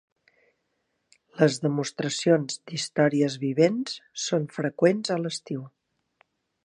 Les demostracions d'històries vivents són freqüents a l'estiu.